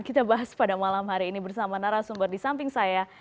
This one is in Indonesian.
kita bahas pada malam hari ini bersama narasumber di samping saya